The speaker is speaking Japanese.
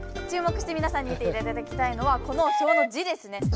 ちゅう目してみなさんに見ていただきたいのはこの表の字ですね。